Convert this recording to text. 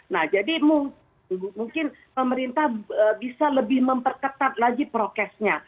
nah jadi mungkin pemerintah bisa lebih memperketat lagi prokesnya